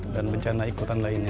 dan bencana ikutan lainnya